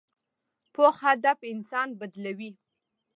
پوخ هدف انسان بدلوي